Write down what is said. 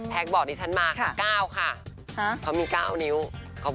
แพคบอกที่ฉันมา๙ค่ะ